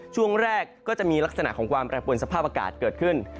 ช่วงแรกก็จะมีลักษณะของความแปรปวนสภาพอากาศเกิดขึ้น